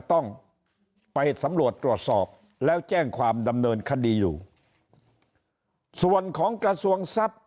ต้องไปสำรวจตรวจสอบแล้วแจ้งความดำเนินคดีอยู่ส่วนของกระทรวงทรัพย์